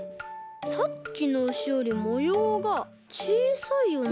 さっきのウシよりもようがちいさいよね。